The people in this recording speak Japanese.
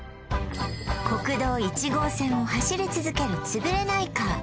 国道１号線を走り続けるつぶれないカー